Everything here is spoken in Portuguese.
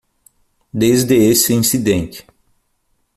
Desde esse incidente